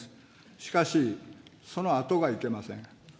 しかし、そのあとがいけません。